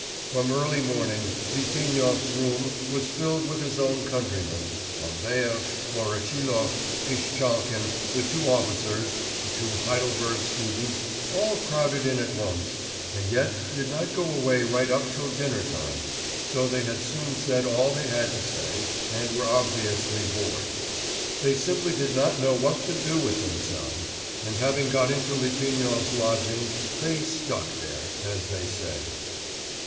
From early morning Litvinov's room was filled with his own countrymen; Bambaev, Voroshilov, Pishtchalkin, the two officers, the two Heidelberg students, all crowded in at once, and yet did not go away right up till dinner time, though they had soon said all they had to say and were obviously bored. They simply did not know what to do with themselves, and having got into Litvinov's lodgings they 'stuck' there, as they say.